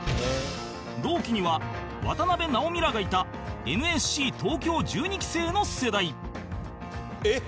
同期には渡辺直美らがいた ＮＳＣ 東京１２期生の世代えっ！